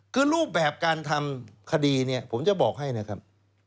คือรูปแบบการทำคดีเนี่ยผมจะบอกให้นะครับ